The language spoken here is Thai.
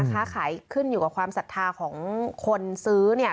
ค้าขายขึ้นอยู่กับความศรัทธาของคนซื้อเนี่ย